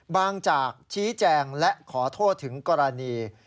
จากชี้แจงและขอโทษถึงกรณี